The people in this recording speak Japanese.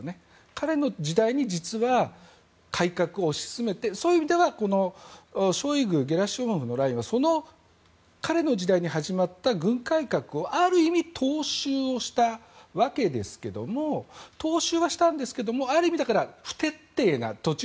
彼の時代に実は改革を推し進めてそういう意味ではショイグ、ゲラシモフのラインはその彼の時代に始まった軍改革をある意味踏襲をしたわけですけども踏襲はしたんですけれどもある意味、不徹底な。